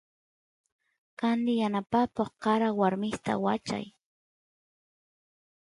candi yanapakoq karawarmista wachay